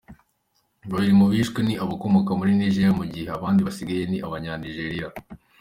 Babiri mu bishwe ni abakomoka muri Niger, mu gihe abandi basigaye ni abanya-Nigeria.